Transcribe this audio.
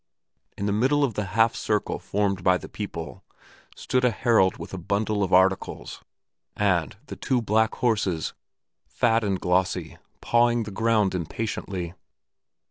In the middle of the half circle formed by the people stood a herald with a bundle of articles, and the two black horses, fat and glossy, pawing the ground impatiently.